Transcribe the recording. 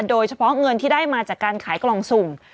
โดยเฉพาะเงินที่ได้มาจากการขายกล่องสุ่ม